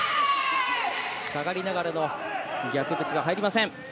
下がりながらの逆突きは入りません。